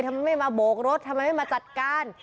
ทำไมไม่มาโบกรถทำไมไม่มาจัดการ